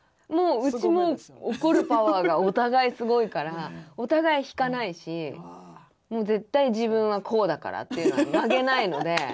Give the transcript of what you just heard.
うちも怒るパワーがお互いすごいからお互い引かないし絶対自分はこうだからっていうのは曲げないので。